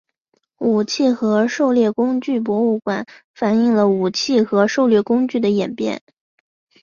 武器和狩猎工具博物馆反映了武器和狩猎工具的演变。